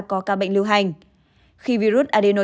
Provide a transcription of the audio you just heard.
có ca bệnh lưu hành khi virus adeno